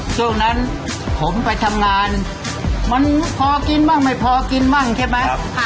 ช่วงนั้นผมไปทำงานมันพอกินบ้างไม่พอกินบ้างใช่ไหม